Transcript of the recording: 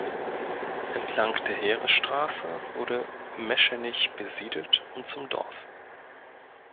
Entlang der Heeresstraße wurde Meschenich besiedelt und zum Dorf.